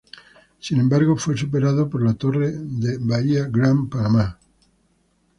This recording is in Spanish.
Sin embargo fue superado por la torre The Bahia Grand Panama.